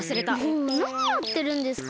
もうなにやってるんですか！